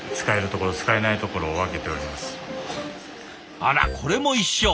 あらこれも一緒。